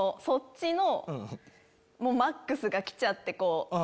そっちのマックスが来ちゃって。